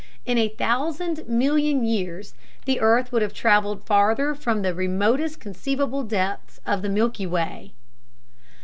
In a thousand million years the earth would have traveled farther than from the remotest conceivable depths of the Milky Way!